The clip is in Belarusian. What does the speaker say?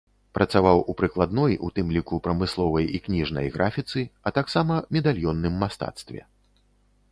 Працаваў у прыкладной, у тым ліку, прамысловай і кніжнай графіцы, а таксама медальённым мастацтве.